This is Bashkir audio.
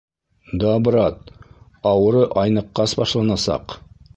Да, брат, ауыры айныҡҡас башланасаҡ.